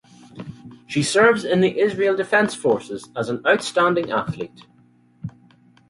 She serves in the Israel Defense Forces as an outstanding athlete.